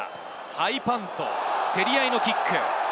ハイパント、競り合いのキック。